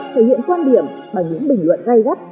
thể hiện quan điểm bằng những bình luận gây gắt